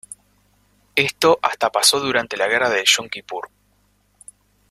Esto hasta pasó durante la guerra del Yom Kipur.